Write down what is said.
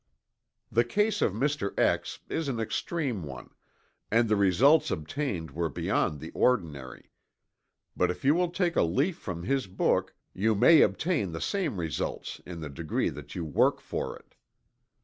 The case of Mr. X. is an extreme one and the results obtained were beyond the ordinary. But if you will take a leaf from his book, you may obtain the same results in the degree that you work for it.